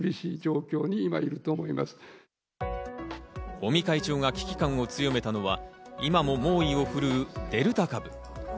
尾身会長が危機感を強めたのは今も猛威を振るうデルタ株。